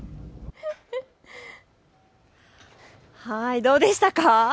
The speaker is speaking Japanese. どうでしたか。